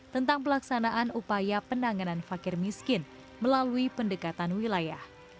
tentang pelaksanaan upaya penanganan fakir miskin melalui pendekatan wilayah